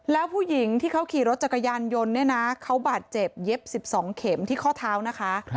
แล้วผู้หญิงที่เขาขี่รถจักรยานยนต์เนี่ยนะเขาบาดเจ็บเย็บ๑๒เข็มที่ข้อเท้านะคะ